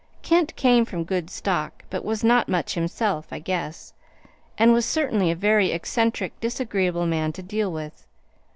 Kent came from good stock, but was not much himself, I guess, and was certainly a very eccentric, disagreeable man to deal with.